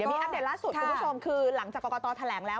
อันไหนอันเด็ดล่าสุดคุณผู้ชมคือหลังจากกกแถลงแล้ว